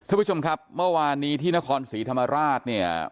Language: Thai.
ท่านผู้ชมครับเมื่อวานนี้ที่นครศรีธรรมราชเนี่ย